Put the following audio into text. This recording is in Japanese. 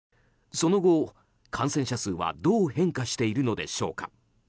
その後、感染者数はどう変化しているのでしょうか。